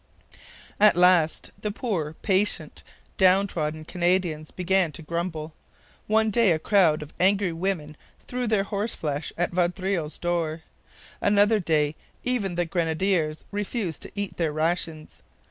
At last the poor, patient, down trodden Canadians began to grumble. One day a crowd of angry women threw their horse flesh at Vaudreuil's door. Another day even the grenadiers refused to eat their rations.